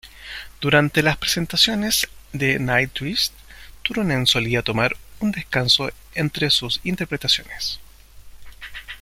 Durante las presentaciones de Nightwish, Turunen solía tomar un descanso entre sus interpretaciones.